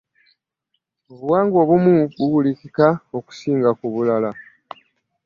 obuwangwa obumu buwulikika okusinga ku bulala.